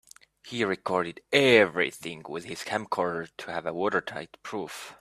He recorded everything with his camcorder to have a watertight proof.